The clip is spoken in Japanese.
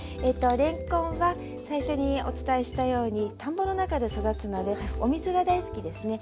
れんこんは最初にお伝えしたように田んぼの中で育つのでお水が大好きですね。